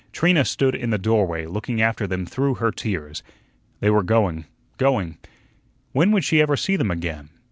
Trina stood in the doorway, looking after them through her tears. They were going, going. When would she ever see them again?